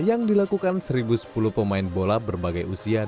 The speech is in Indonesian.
yang dilakukan satu sepuluh pemain bola berbagai usia